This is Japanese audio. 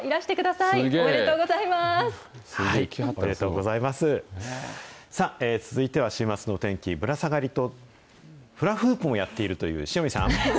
さあ、続いては週末のお天気、ぶら下がりと、フラフープもやっているという塩見さん。